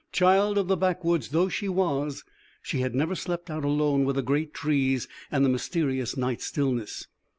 Child of the backwoods though she was, she had never slept out alone with the great trees and the mysterious night stillness.